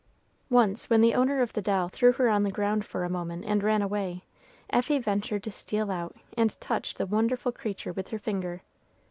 Once, when the owner of the doll threw her on the ground for a moment and ran away, Effie ventured to steal out and touch the wonderful creature with her finger.